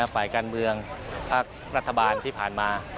ฝ่ายการเมืองภาครัฐบาลที่ผ่านมา